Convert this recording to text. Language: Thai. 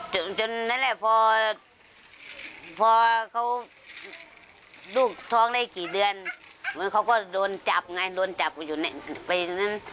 จนนั่นแหละพอเขาลูกท้องได้กี่เดือนเหมือนเขาก็โดนจับไงโดนจับอยู่ไปนั้น